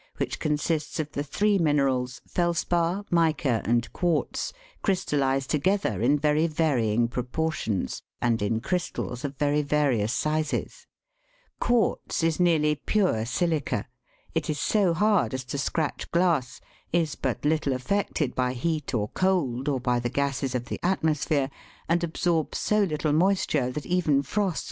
10), which consists of the three minerals, felspar, mica, and quartz, crystallised together in very varying proportions, and in crystals of very various sizes. Quartz is nearly pure silica ;* Fig. io. SECTION OF CORNISH GRANITE, SHOWING FELSPAR, ETC. it is so hard as to scratch glass, is but little affected by heat or cold, or by the gases of the atmosphere, and absorbs so little moisture that even frost